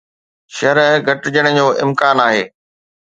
شرح گهٽجڻ جو امڪان